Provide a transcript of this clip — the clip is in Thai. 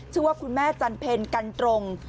ชื่อว่าคุณแม่จันเพ็ญกันตรง